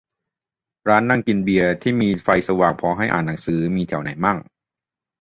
ร้านนั่งกินเบียร์ ที่มีไฟสว่างพอให้อ่านหนังสือ มีแถวไหนมั่ง